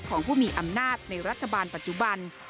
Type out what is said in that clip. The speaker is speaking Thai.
ของผู้มีอำนาจในรัฐบาลปัจจุบัน